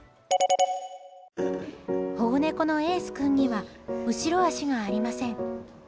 保護猫のエース君には後ろ足がありません。